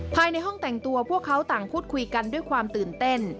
ภายในห้องแต่งตัวพวกเขาต่างพูดคุยกันด้วยความตื่นเต้น